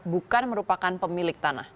bukan merupakan pemilik tanah